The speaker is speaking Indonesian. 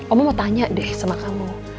om mau tanya deh sama kamu